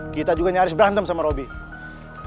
kita juga nyaris berantem sama roby